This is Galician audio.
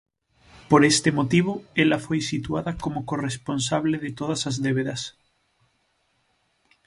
Por este motivo, ela foi situada como corresponsable de todas as débedas.